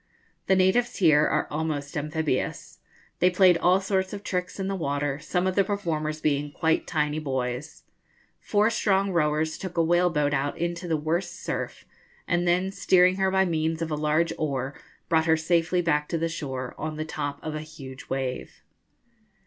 The natives here are almost amphibious. They played all sorts of tricks in the water, some of the performers being quite tiny boys. Four strong rowers took a whale boat out into the worst surf, and then, steering her by means of a large oar, brought her safely back to the shore on the top of a huge wave.